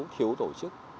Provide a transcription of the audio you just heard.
thiếu tổ chức